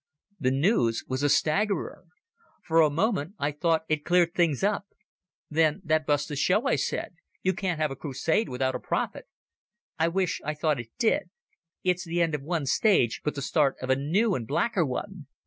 The news was a staggerer. For a moment I thought it cleared up things. "Then that busts the show," I said. "You can't have a crusade without a prophet." "I wish I thought it did. It's the end of one stage, but the start of a new and blacker one.